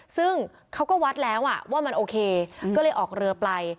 ซึ่งเขาก็วัดแล้วว่ามันโอเคก็เลยออกเรือไป